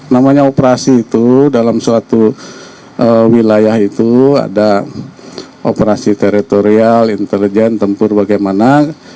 namanya operasi itu dalam suatu wilayah itu ada operasi teritorial intelijen tempur bagaimana